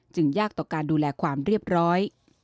ยากต่อการดูแลความเรียบร้อย